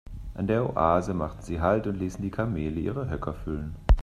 An der Oase machten sie Halt und ließen die Kamele ihre Höcker füllen.